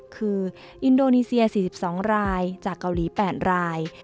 คืออินโดนีเซีย๔๒รายจากเกาหลี๘ราย